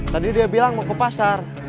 tadi dia bilang mau ke pasar